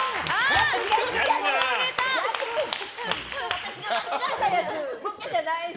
私が間違えたやつ！